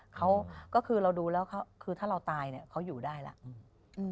เขาก็คือเราดูแล้วคือถ้าเราตายเนี่ยเขาอยู่ได้แล้ว